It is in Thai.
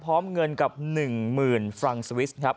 พร้อมเงินกับ๑๐๐๐ฟรังสวิสครับ